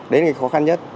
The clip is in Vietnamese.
đấy là cái khó khăn nhất